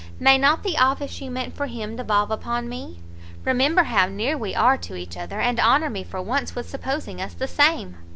may not the office you meant for him, devolve upon me? remember how near we are to each other, and honour me for once with supposing us the same!"